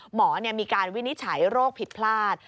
หมอมีการวินิจฉัยโรคผิดพลาด